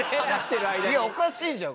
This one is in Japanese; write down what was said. いやおかしいじゃん。